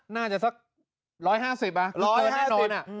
น่าจะสัก๑๕๐บาทคุณเธอแน่นอน